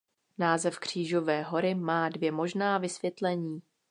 Název Křížové hory má dvě možná vysvětlení.